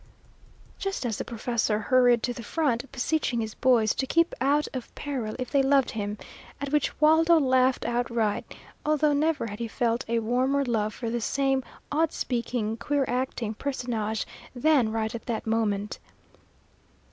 Just as the professor hurried to the front, beseeching his boys to keep out of peril if they loved him; at which Waldo laughed outright, although never had he felt a warmer love for the same odd speaking, queer acting personage than right at that moment.